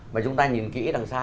mà chúng ta nhìn kỹ đằng xa